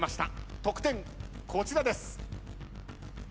得点こちらです。